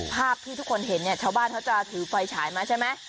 ภาพที่ทุกคนเห็นเนี่ยชาวบ้านเขาจะถือไฟฉายมาใช่ไหม